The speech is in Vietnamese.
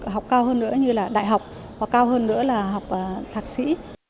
học cao hơn nữa như là đại học hoặc cao hơn nữa là học thạc sĩ